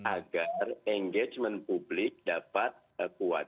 agar engagement publik dapat kuat